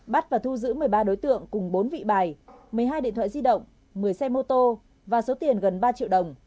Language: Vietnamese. bắt và thu giữ một mươi ba đối tượng cùng bốn vị bài một mươi hai điện thoại di động một mươi xe mô tô và số tiền gần ba triệu đồng